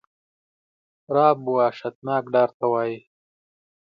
رعب وحشتناک ډار ته وایی.